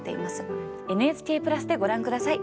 「ＮＨＫプラス」でご覧下さい。